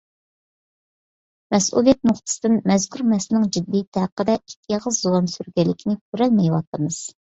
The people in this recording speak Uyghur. مەسئۇلىيەت نۇقتىسىدىن مەزكۇر مەسىلىنىڭ جىددىيىتى ھەققىدە ئىككى ئېغىز زۇۋان سۈرگەنلىكىنى كۆرەلمەيۋاتىمىز.